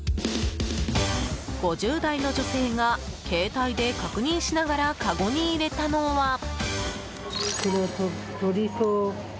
５０代の女性が、携帯で確認しながらかごに入れたのは。